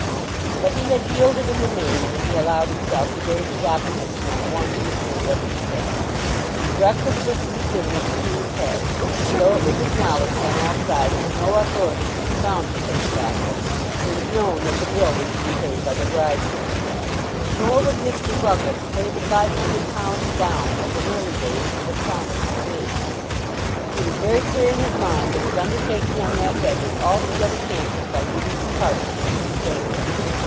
But he had yielded in the main when he allowed himself to base his opposition on one immaterial detail. The breakfast was to be given at the King's Head, and, though it was acknowledged on all sides that no authority could be found for such a practice, it was known that the bill was to be paid by the bridegroom. Nor would Mr. Ruggles pay the five hundred pounds down as in early days he had promised to do. He was very clear in his mind that his undertaking on that head was altogether cancelled by Ruby's departure from Sheep's Acre.